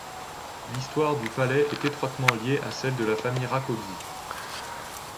L'histoire du palais est étroitement liée à celle de la famille Rákóczi.